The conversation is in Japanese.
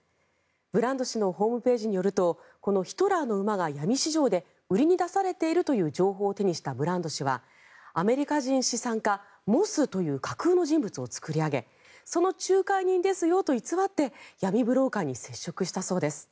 ブランド氏のホームページによるとこの「ヒトラーの馬」が闇市場で売りに出されているという情報を手にしたブランド氏はアメリカ人資産家、モスという架空の人物を作り上げその仲介人ですよと偽って闇ブローカーに接触したそうです。